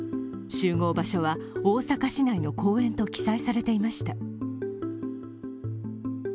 集合場所は、大阪市内の公園と記載されていました。